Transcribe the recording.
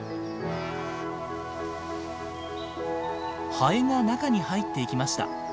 ハエが中に入っていきました。